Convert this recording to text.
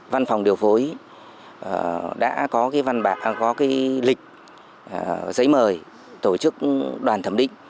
văn phòng điều phối đã có lịch giấy mời tổ chức đoàn thẩm định